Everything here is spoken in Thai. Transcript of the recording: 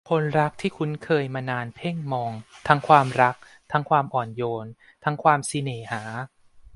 คนรักที่คุ้นเคยมานานเพ่งมอง ทั้งความรัก ทั้งความอ่อนโยน ทั้งความสิเน่หา